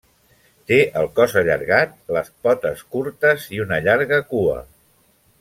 Té el cos allargat, les potes curtes i una llarga cua.